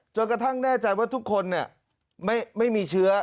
จนกระทั่งแน่ใจว่าทุกคนไม่มีเชื้อ